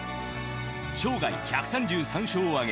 生涯１３３勝をあげ